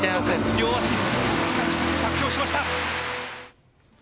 両足、しかし着氷しました！